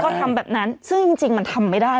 ก็ทำแบบนั้นซึ่งจริงมันทำไม่ได้